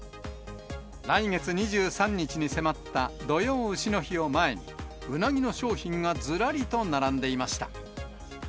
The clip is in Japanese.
来月２３日に迫った土用うしの日を前に、ウナギの商品がずらりと並んでいました。